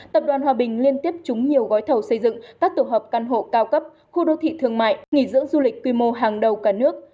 tập đoàn hòa bình liên tiếp trúng nhiều gói thầu xây dựng các tổ hợp căn hộ cao cấp khu đô thị thương mại nghỉ dưỡng du lịch quy mô hàng đầu cả nước